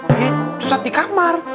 eh sesat di kamar